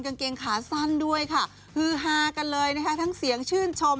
กางเกงขาสั้นด้วยค่ะฮือฮากันเลยนะคะทั้งเสียงชื่นชม